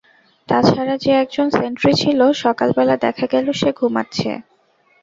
তা ছাড়া যে একজন সেন্ট্রি ছিল, সকালবেলা দেখা গেল সে ঘুমাচ্ছে।